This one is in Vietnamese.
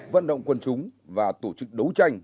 vận động quân chúng và tổ chức đấu tranh